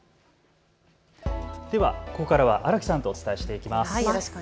ここからは荒木さんとお伝えしていきます。